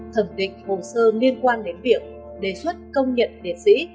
thẩm định hồ sơ liên quan đến việc đề xuất công nhận liệt sĩ